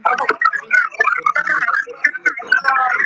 จะมาหาอีกรอบ